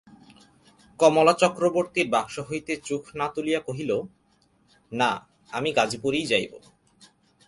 কমলা চক্রবর্তীর বাক্স হইতে চোখ না তুলিয়া কহিল, না, আমি গাজিপুরেই যাইব।